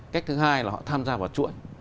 cách thứ hai là họ tham gia vào chuỗi